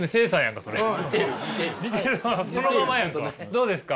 どうですか？